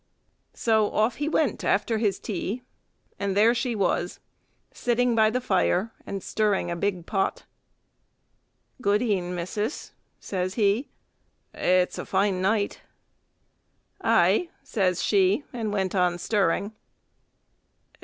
So off he went after his tea, and there she was, sitting by the fire, and stirring a big pot. "Good e'en, missis," says he, "it's a fine night." "Aye," says she, and went on stirring.